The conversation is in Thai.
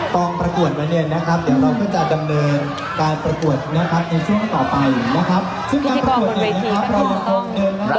ตอนประกวดมาเนี่ยนะครับเราก็จะดำเนินการประกวดในช่วงต่อไปนะครับ